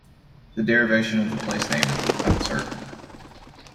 The derivation of the place name is uncertain.